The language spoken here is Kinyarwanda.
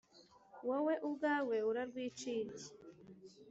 Wowe ubwawe urarwiciriye